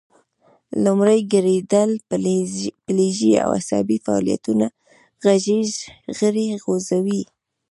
لومړی ګړیدل پیلیږي او عصبي فعالیتونه غږیز غړي خوځوي